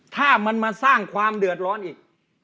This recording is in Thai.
ถ้ามันมาสร้างความเดือดร้อนอีก